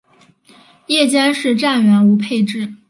夜间是站员无配置。